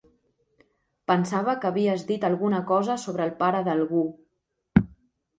Pensava que havies dit alguna cosa sobre el pare d'algú.